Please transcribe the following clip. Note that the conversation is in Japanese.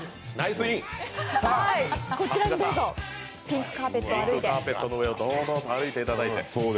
ピンクカーペットの上を堂々と歩いていただいて。